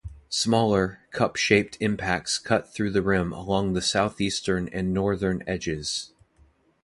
Smaller, cup-shaped impacts cut through the rim along the southeastern and northern edges.